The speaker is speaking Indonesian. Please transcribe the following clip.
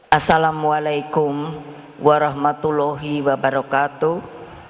assalamu alaikum warahmatullahi wabarakatuh